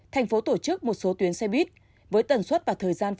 thành phố tổ chức một số tuyến xe buýt với tần suất và thời gian